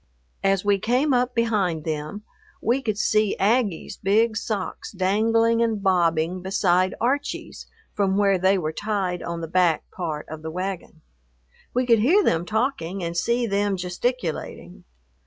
As we came up behind them, we could see Aggie's big socks dangling and bobbing beside Archie's from where they were tied on the back part of the wagon. We could hear them talking and see them gesticulating.